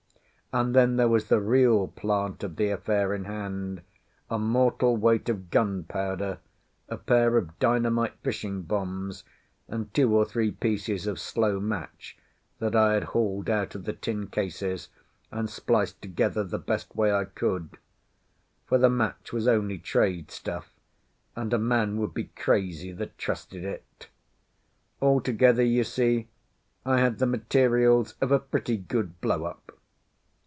And then there was the real plant of the affair in hand, a mortal weight of gunpowder, a pair of dynamite fishing bombs, and two or three pieces of slow match that I had hauled out of the tin cases and spliced together the best way I could; for the match was only trade stuff, and a man would be crazy that trusted it. Altogether, you see, I had the materials of a pretty good blow up!